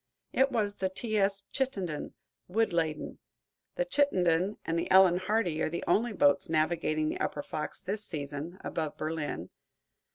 It was the "T. S. Chittenden," wood laden. The "Chittenden" and the "Ellen Hardy" are the only boats navigating the upper Fox this season, above Berlin.